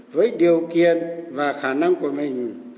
với điều kiện và khả năng của mình